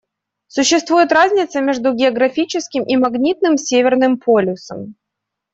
Существует разница между географическим и магнитным Северным полюсом.